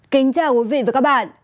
kính chào quý vị và các bạn